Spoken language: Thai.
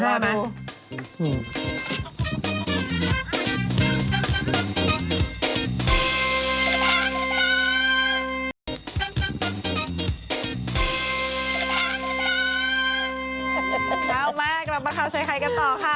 เก้ามากเรามาข่าวใส่ใครกันต่อค่ะ